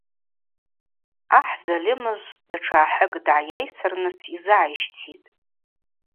Ахӏ зальымыжв датша ахӏыкӏ дгӏайайсырныс йзыгӏайщтитӏ.